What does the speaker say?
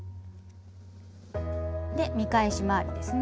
見返し周りですね。